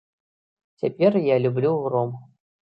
Цяпер я люблю гром.